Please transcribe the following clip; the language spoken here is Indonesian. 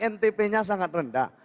ntp nya sangat rendah